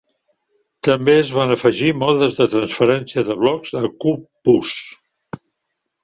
També es van afegir modes de transferència de blocs a Q-bus.